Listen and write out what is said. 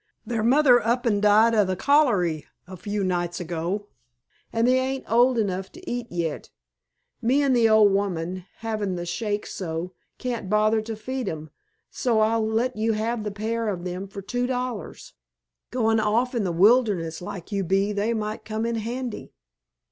Their mother up an' died of the cholery a few nights ago, and they ain't old enough to eat yit. Me an' the old woman, havin' th' shakes so, cain't bother to feed 'em, so I'll let you have the pair of 'em for two dollars. Goin' off in th' wilderness like you be they might come in handy."